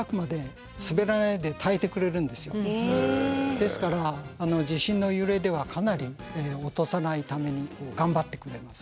ですから地震の揺れではかなり落とさないために頑張ってくれます。